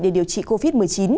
để điều trị covid một mươi chín